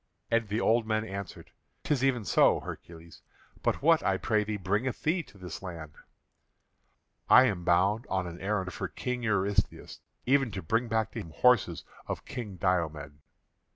And the old men answered: "'Tis even so, Hercules. But what, I pray thee, bringeth thee to this land?" "I am bound on an errand for King Eurystheus; even to bring back to him horses of King Diomed."